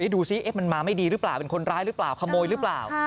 ดูสิมันมาไม่ดีหรือเปล่าเป็นคนร้ายหรือเปล่าขโมยหรือเปล่า